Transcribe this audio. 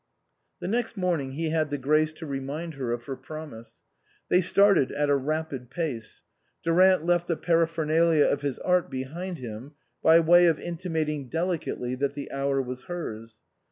The next morning he had the grace to remind her of her promise. They started at a rapid pace. Durant left the paraphernalia of his art behind him by way of intimating delicately that the hour was hers.